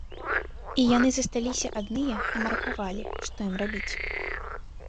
І яны засталіся адныя і маракавалі, што ім рабіць.